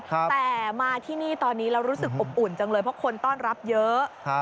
แต่มาที่นี่ตอนนี้แล้วรู้สึกอบอุ่นจังเลยเพราะคนต้อนรับเยอะ